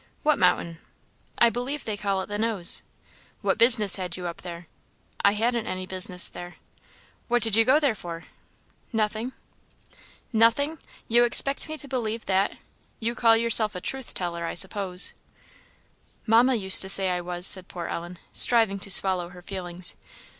"What mountain?" "I believe they call it the Nose." "What business had you up there?" "I hadn't any business there." "What did you go there for?" "Nothing." "Nothing! you expect me to believe that? you call yourself a truth teller, I suppose?" "Mamma used to say I was," said poor Ellen, striving to swallow her feelings.